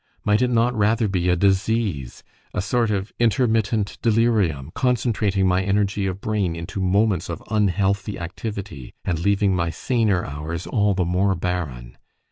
Might it not rather be a disease a sort of intermittent delirium, concentrating my energy of brain into moments of unhealthy activity, and leaving my saner hours all the more barren?